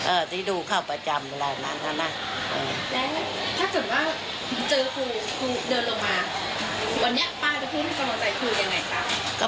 เออที่ดูเข้าประจำเวลานั้นนะ